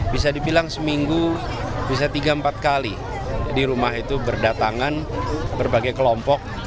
bisa dibilang seminggu bisa tiga empat kali di rumah itu berdatangan berbagai kelompok